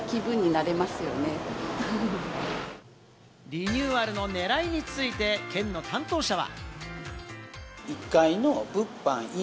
リニューアルの狙いについて県の担当者は。